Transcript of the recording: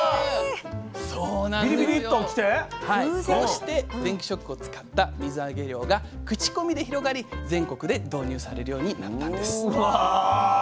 こうして電気ショックを使った水揚げ漁が口コミで広がり全国で導入されるようになったんです。